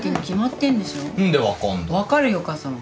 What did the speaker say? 分かるよお母さんは。